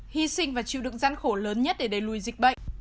hy sinh và chịu đựng gian khổ lớn nhất để đẩy lùi dịch bệnh